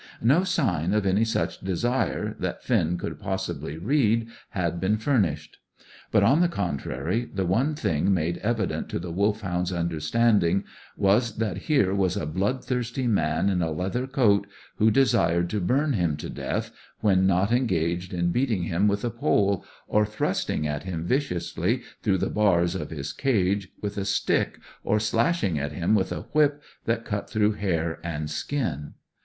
No sign of any such desire, that Finn could possibly read, had been furnished. But, on the contrary, the one thing made evident to the Wolfhound's understanding was that here was a bloodthirsty man in a leather coat who desired to burn him to death, when not engaged in beating him with a pole, or thrusting at him viciously through the bars of his cage with a stick, or slashing at him with a whip that cut through hair and skin.